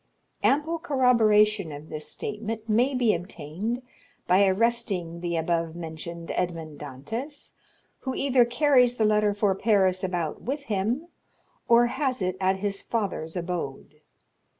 Ample corroboration of this statement may be obtained by arresting the above mentioned Edmond Dantès, who either carries the letter for Paris about with him, or has it at his father's abode.